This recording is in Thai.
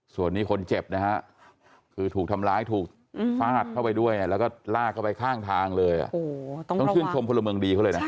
ส่วนนี้คนเจ็บนะฮะคือถูกทำร้ายถูกฟาดเข้าไปด้วยแล้วก็ลากเข้าไปข้างทางเลยต้องชื่นชมพลเมืองดีเขาเลยนะ